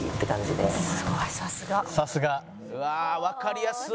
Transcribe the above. うわわかりやすい！